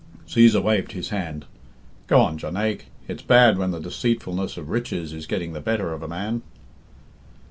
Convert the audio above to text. Cæsar waved his hand. "Go on, Jonaique. It's bad when the deceitfulness of riches is getting the better of a man."